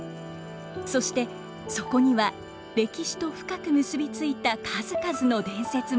そしてそこには歴史と深く結び付いた数々の伝説も。